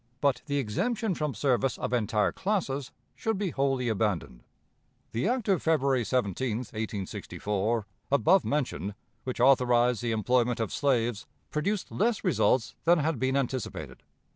But the exemption from service of entire classes should be wholly abandoned. The act of February 17, 1864 (above mentioned), which authorized the employment of slaves, produced less results than had been anticipated.